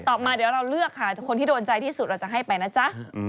ออกมาเดี๋ยวเราเลือกค่ะคนที่โดนใจที่สุดเราจะให้ไปนะจ๊ะ